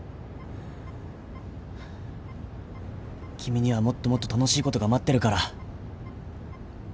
君にはもっともっと楽しいことが待ってるから。